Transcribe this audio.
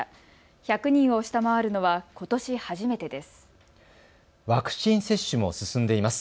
１００人を下回るのはことし初めてです。